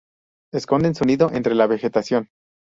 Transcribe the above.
Esconden su nido entre la vegetación.